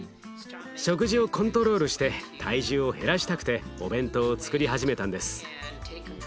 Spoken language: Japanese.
食事をコントロールして体重を減らしたくてお弁当をつくり始めたんです。